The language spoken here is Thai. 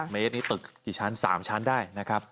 ๘เมตรนี้ตึก๓ชั้นได้